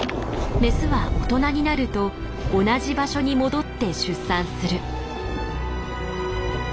メスは大人になると同じ場所に戻って出産する。